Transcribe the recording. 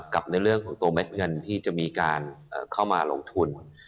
ในเรื่องของตัวเม็ดเงินที่จะมีการเข้ามาลงทุน